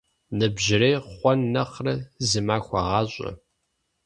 Ныбжьырей хъуэн нэхърэ зы махуэ гъащӀэ.